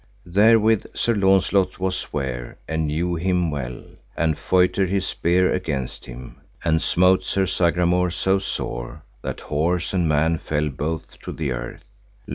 Therewith Sir Launcelot was ware and knew him well, and feutred his spear against him, and smote Sir Sagramour so sore that horse and man fell both to the earth.